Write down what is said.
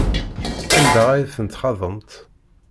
Anda ay tent-txaḍemt?